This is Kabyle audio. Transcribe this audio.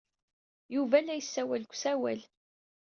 Yuba la yessawal deg usawal.